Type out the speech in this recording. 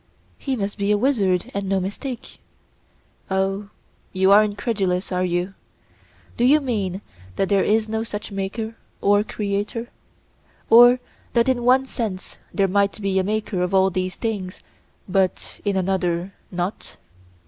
He must be a wizard and no mistake. Oh! you are incredulous, are you? Do you mean that there is no such maker or creator, or that in one sense there might be a maker of all these things but in another not?